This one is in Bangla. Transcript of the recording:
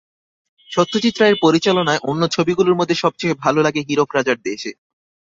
সত্যজিৎ রায়ের পরিচালনায় অন্য ছবিগুলোর মধ্যে সবচেয়ে ভালো লাগে হীরক রাজার দেশে।